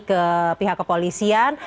atau ke pihak kepolisian